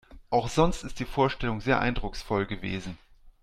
Auch sonst ist die Vorstellung sehr eindrucksvoll gewesen.